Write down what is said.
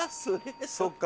そっか。